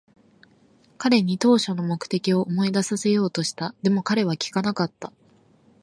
彼に当初の目的を思い出させようとした。でも、彼は聞かなかった。